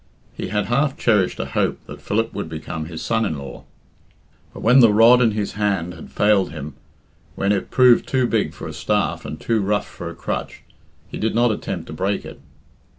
He had half cherished a hope that Philip would become his son in law. But when the rod in his hand had failed him, when it proved too big for a staff and too rough for a crutch, he did not attempt to break it.